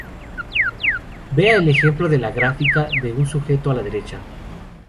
Vea el ejemplo de la gráfica de un sujeto a la derecha.